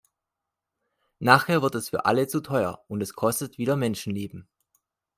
Nachher wird es für alle zu teuer, und es kostet wieder Menschenleben.